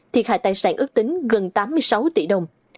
thiệt hại tài sản ước tính gần tám mươi sáu tỷ đồng